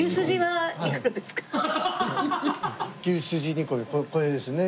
牛すじ煮込みこれですね。